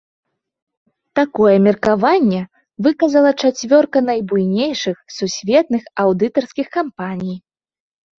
Такое меркаванне выказала чацвёрка найбуйнейшых сусветных аўдытарскіх кампаній.